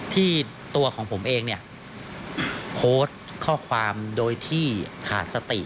ที่ตัวของผมเองเนี่ยโพสต์ข้อความโดยที่ขาดสติ